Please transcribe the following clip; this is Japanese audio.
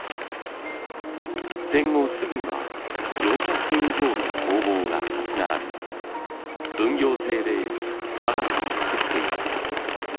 戦後すぐには４００軒以上の工房が立ち並び分業制で和傘を作っていました。